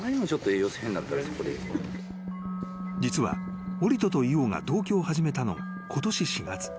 ［実はオリトとイオが同居を始めたのがことし４月］